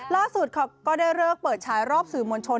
เขาก็ได้เลิกเปิดฉายรอบสื่อมวลชน